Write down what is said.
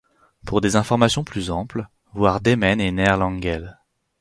Pour des informations plus amples, voir Demen et Neerlangel.